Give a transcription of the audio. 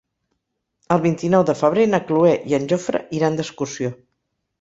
El vint-i-nou de febrer na Cloè i en Jofre iran d'excursió.